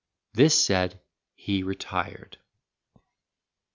This said, he retired.